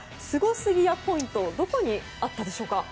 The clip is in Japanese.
すぎやポイントはどこにあったでしょうか。